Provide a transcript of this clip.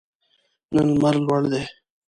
نن لمر لوړ دی